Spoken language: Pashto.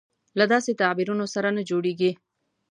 له داسې تعبیرونو سره نه جوړېږي.